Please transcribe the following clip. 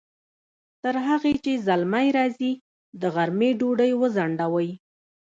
تر هغې چې زلمی راځي، د غرمې ډوډۍ وځڼډوئ!